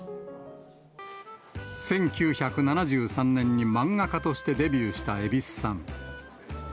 １９７３年に漫画家としてデビューした蛭子さん。